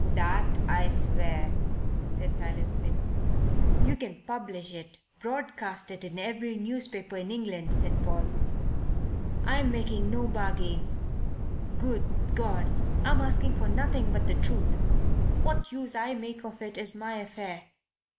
"That I swear," said Silas Finn. "You can publish it broadcast in every newspaper in England," said Paul. "I'm making no bargains. Good God! I'm asking for nothing but the truth. What use I make of it is my affair.